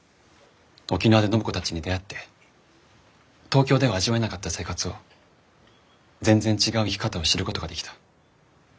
沖縄で暢子たちに出会って東京では味わえなかった生活を全然違う生き方を知ることができた。